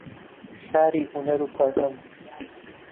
شاری هونەر و فەرهەنگ